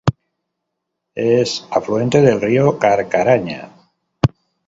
Es afluente del río Carcarañá.